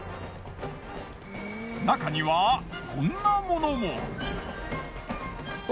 なかにはこんなものも。